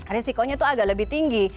risikonya tuh agak lebih tinggi